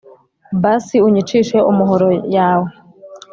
Basi unyicishe umuhoro yawe